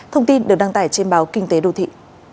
thông tin được đăng tải trên báo kinh tế đô thị